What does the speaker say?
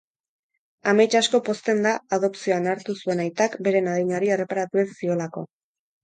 Amets asko pozten da adopzioan hartu zuen aitak bere adinari erreparatu ez ziolako.